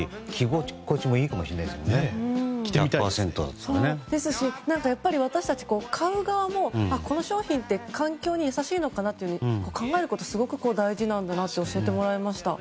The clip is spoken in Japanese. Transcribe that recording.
着てみたいですし私たち、買う側もこの商品って環境に優しいのかなって考えることはすごく大事なんだなと教えてもらいました。